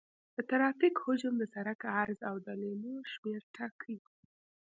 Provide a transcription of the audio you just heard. د ترافیک حجم د سرک عرض او د لینونو شمېر ټاکي